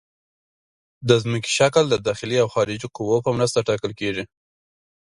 د ځمکې شکل د داخلي او خارجي قوو په مرسته ټاکل کیږي